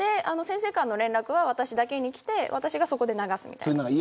先生からの連絡は私だけにきて私がそこで流すみたいな。